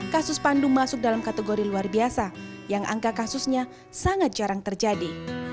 kasus pandu masuk dalam kategori luar biasa yang angka kasusnya sangat jarang terjadi